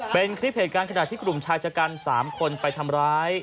เป็นคลิปเหตุการณ์ขณะที่กลุ่มชายชะกัน๓คนไปทำร้าย